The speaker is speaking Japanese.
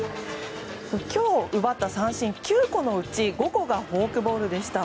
今日、奪った三振９個のうち５個がフォークボールでした。